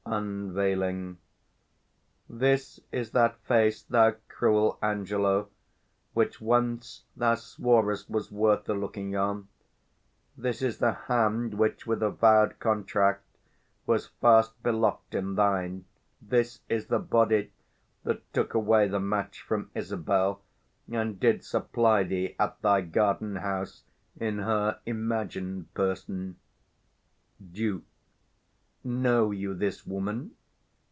[Unveiling. This is that face, thou cruel Angelo, 205 Which once thou sworest was worth the looking on; This is the hand which, with a vow'd contract, Was fast belock'd in thine; this is the body That took away the match from Isabel, And did supply thee at thy garden house 210 In her imagined person. Duke. Know you this woman?